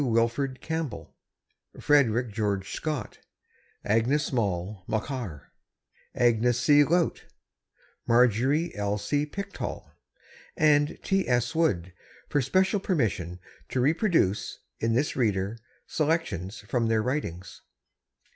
Wilfred Campbell, Frederick George Scott, Agnes Maule Machar, Agnes C. Laut, Marjorie L. C. Pickthall, and S. T. Wood, for special permission to reproduce, in this Reader, selections from their writings.